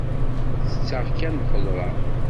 Tetteɣ kan lxedṛa.